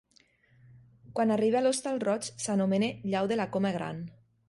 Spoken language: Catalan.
Quan arriba a l'Hostal Roig s'anomena llau de la Coma Gran.